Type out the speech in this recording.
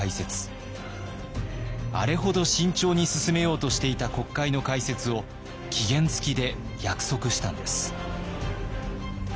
あれほど慎重に進めようとしていた国会の開設を期限付きで約束したんです。